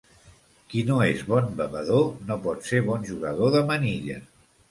Qui no és bon bevedor no pot ser bon jugador de manilla.